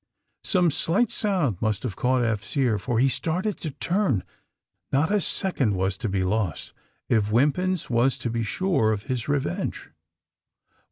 Some slight sound must have caught Eph's ear, for he started to turn. Not a second was to be lost if Wimpins was to be sure of his re venge.